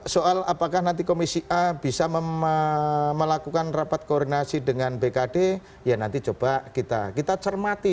soal apakah nanti komisi a bisa melakukan rapat koordinasi dengan bkd ya nanti coba kita cermati